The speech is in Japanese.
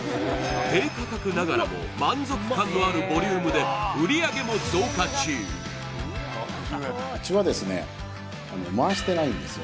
低価格ながらも満足感のあるボリュームで売上げも増加中ウチはですね回してないんですよ